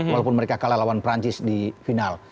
walaupun mereka kalah lawan perancis di final